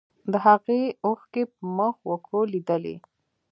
د هغې اوښکې په مخ وکولېدلې.